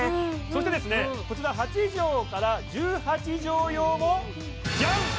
そしてですねこちら８畳から１８畳用もじゃん！